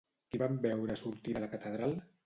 Qui van veure sortir de la Catedral?